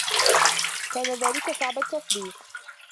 كان ذلك صعب التصديق.